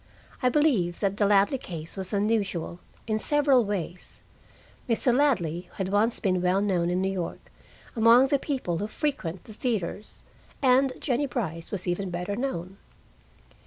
I believe that the Ladley case was unusual, in several ways. Mr. Ladley had once been well known in New York among the people who frequent the theaters, and Jennie Brice was even better known.